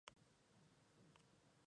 Es originaria de Eurasia.